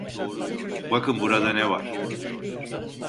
Bakın burada ne var?